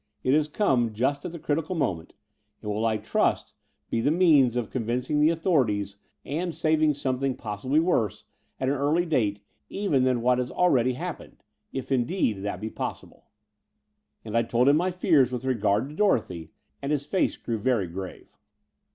It has come just at the critical moment, and will, I trust, be the means of con Between London and Clymplng i8i vincing the authorities and saving something possibly worse, at an early date, even than what has already happened — if, indeed, that be pos sible." And I told him my fears with regard to Dorothy; and his face grew very grave.